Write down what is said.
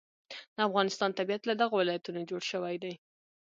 د افغانستان طبیعت له دغو ولایتونو جوړ شوی دی.